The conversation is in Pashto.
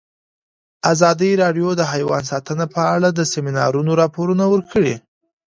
ازادي راډیو د حیوان ساتنه په اړه د سیمینارونو راپورونه ورکړي.